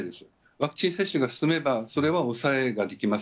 ワクチン接種が進めば、それは抑えができます。